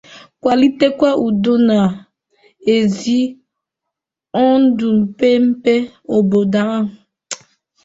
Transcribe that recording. kwàlitekwa udo na ezi ọndụ mmepe n'obodo ahụ